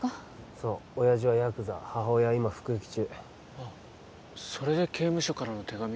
そう親父はヤクザ母親は今服役中あっそれで刑務所からの手紙？